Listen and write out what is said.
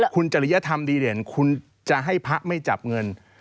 คุณจริยธรรมดีเด่นคุณจะให้พระไม่จับเงิน